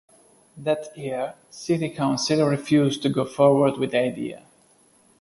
That year city council refused to go forward with the idea.